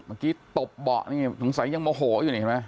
เมื่อกี้ตบเบาะนี่สงสัยยังโมโหอยู่เนี่ย